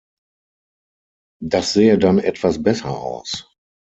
Das sähe dann etwas besser aus.